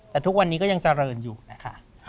แต่ทุกวันนี้ก็ยังเจริญอยู่นะคะ